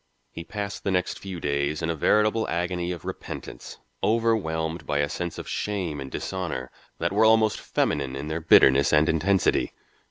He passed the next few days in a veritable agony of repentance, overwhelmed by a sense of shame and dishonour that were almost feminine in their bitterness and intensity.